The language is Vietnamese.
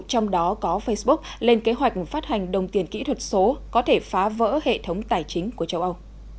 trong đó có facebook lên kế hoạch phát hành đồng tiền kỹ thuật số có thể phá vỡ hệ thống tài chính của châu âu